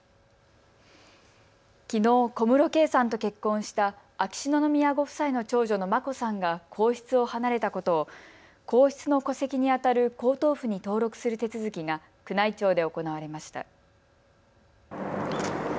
きのう、小室圭さんと結婚した秋篠宮ご夫妻の長女の眞子さんが皇室を離れたことを皇室の戸籍にあたる皇統譜に登録する手続きが宮内庁で行われました。